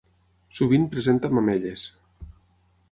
Sovint presenta mamelles.